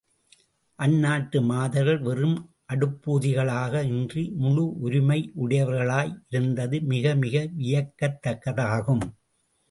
அந்நாட்டு மாதர்கள் வெறும் அடுப்பூதிகளாக இன்றி, முழு உரிமை உடையவர்களாய் இருந்தது மிகமிக வியக்கத்தக்கதாகும்.